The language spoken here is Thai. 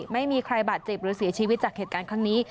ไม่มีใครบาดเจ็บหรือเสียชีวิตจากเหตุการณ์ครั้งนี้